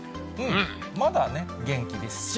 まだね、元気ですし。